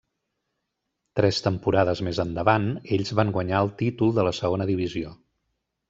Tres temporades més endavant, ells van guanyar el títol de la segona divisió.